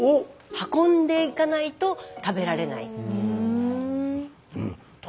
運んでいかないと食べられない。